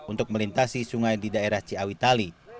untuk melintasi sungai di daerah ciawitali